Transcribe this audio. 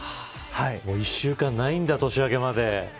１週間ないんだ、年明けまで。